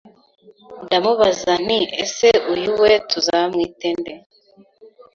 ndamubaza nti ese uyu we tuzamwite nde